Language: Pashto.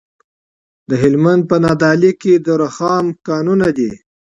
د هلمند په نادعلي کې د رخام کانونه دي.